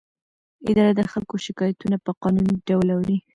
اداره د خلکو شکایتونه په قانوني ډول اوري.